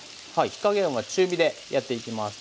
火加減は中火でやっていきます。